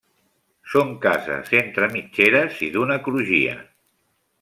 Són cases entre mitgeres i d'una crugia.